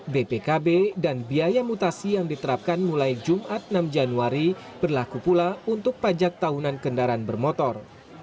bpkb dan biaya mutasi yang diterapkan mulai jumat enam januari berlaku pula untuk pajak tahunan kendaraan bermotor